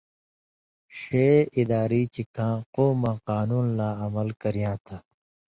ݜے اِداری چے کاں قومواں قانُون لا عمل کَرئین٘یاں تھہ،